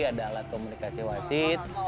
ada alat komunikasi wasit